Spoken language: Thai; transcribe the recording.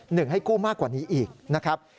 หนึ่งให้กู้มากกว่านี้อีกนะครับ